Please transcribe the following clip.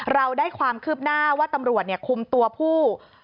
เราได้ความคืบหน้าว่าตำรวจคุมตัวผู้